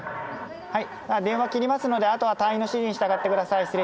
はい電話切りますのであとは隊員の指示に従って下さい。